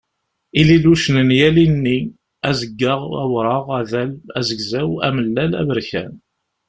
Ililucen n yal inni: azeggaɣ, awṛaɣ, adal, azegzaw, amellal, aberkan.